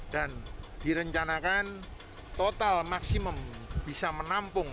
dan direncanakan total maksimum bisa menampung